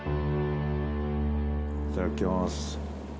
いただきます。